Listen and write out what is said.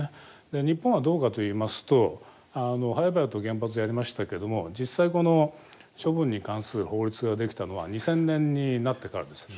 で日本はどうかといいますとあのはやばやと原発やりましたけども実際この処分に関する法律が出来たのは２０００年になってからです。